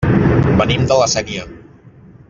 Venim de La Sénia.